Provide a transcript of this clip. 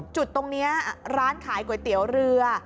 จุดตรงนี้ร้านขายก๋วยเตี๋ยวเรือ